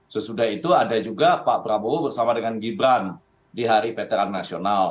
sesudah itu ada juga pak prabowo bersama dengan gibran di hari peteran nasional